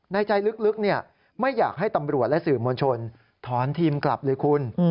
ในใจลึกไม่อยากให้ตำรวจและสื่อมวลชนถอนทีมกลับเลยคุณ